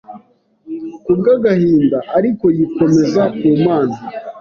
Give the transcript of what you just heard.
kubw’agahinda, ariko yikomeza ku mana,